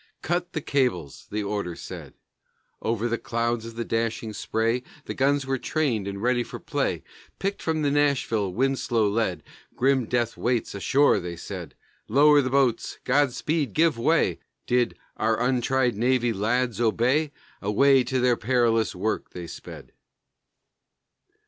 "Cut the cables!" the order said Over the clouds of the dashing spray, The guns were trained and ready for play; Picked from the Nashville, Winslow led, Grim death waits ashore, they say; "Lower the boats, Godspeed, give way." Did "our untried navy lads" obey? Away to their perilous work they sped.